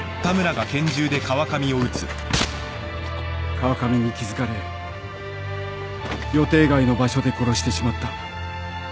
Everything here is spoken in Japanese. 川上に気付かれ予定外の場所で殺してしまった。